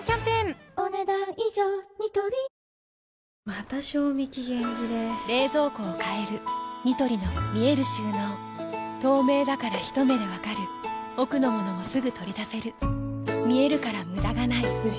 また賞味期限切れ冷蔵庫を変えるニトリの見える収納透明だからひと目で分かる奥の物もすぐ取り出せる見えるから無駄がないよし。